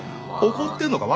怒ってんのか笑